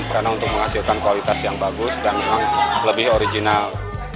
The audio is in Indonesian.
karena untuk menghasilkan kualitas yang bagus dan memang lebih original